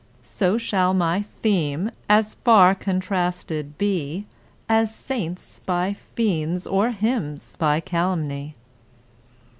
So shall my theme, as far contrasted be, As saints by fiends or hymns by calumny.